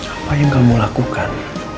apa yang kamu lakukan